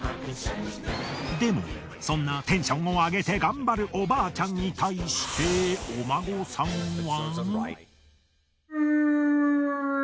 でもそんなテンションを上げて頑張るおばあちゃんに対してお孫さんは。